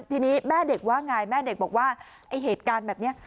ทีนี้แม่เด็กว่าไงแม่เด็กบอกว่าไอ้เหตุการณ์แบบนี้